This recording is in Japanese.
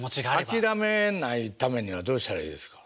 諦めないためにはどうしたらいいですか？